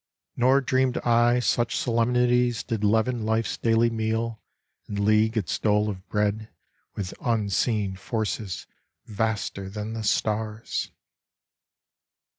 Nor dreamed I such solemnities did leaven Life's daily meal and league its dole of bread With unseen forces vaster than the stars'.